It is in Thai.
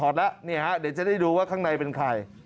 แล้วเดี๋ยวจะได้ดูว่าข้างในเป็นใคร